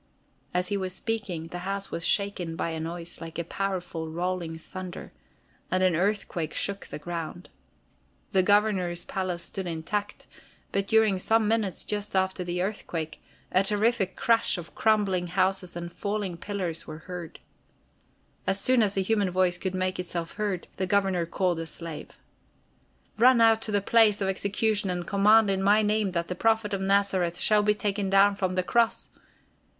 As he was speaking, the house was shaken by a noise like a powerful rolling thunder, and an earthquake shook the ground. The Governor's palace stood intact, but during some minutes just after the earthquake, a terrific crash of crumbling houses and falling pillars was heard. As soon as a human voice could make itself heard, the Governor called a slave. "Run out to the place of execution and command in my name that the Prophet of Nazareth shall be taken down from the cross!"